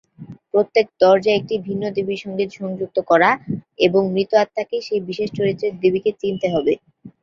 প্রত্যেক দরজা একটি ভিন্ন দেবীর সঙ্গে সংযুক্ত করা, এবং মৃত আত্মাকে সেই বিশেষ চরিত্রের দেবীকে চিনতে হবে।